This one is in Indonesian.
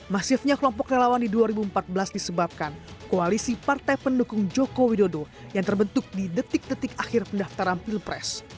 masifnya kelompok relawan di dua ribu empat belas disebabkan koalisi partai pendukung jokowi dodo yang terbentuk di detik detik akhir pendaftaran pilpres